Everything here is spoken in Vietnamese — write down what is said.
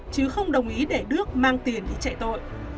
chứ không đồng ý để đước mang tiền đi chạy tội